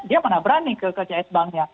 dia mana berani ke cs bank nya